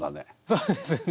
そうですね。